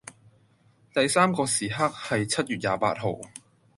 第三個時刻係七月廿八號